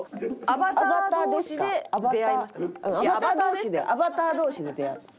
アバター同士でアバター同士で出会った。